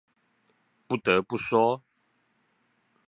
不得不說